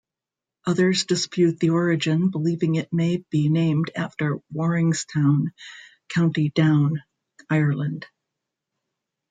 Others dispute the origin, believing it may be named after Waringstown, County Down, Ireland.